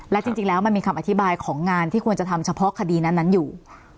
และจริงแล้วมันมีคำอธิบายของงานที่ควรจะทำเฉพาะคดีนั้นอยู่